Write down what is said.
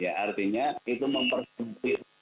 ya artinya itu mempersimpit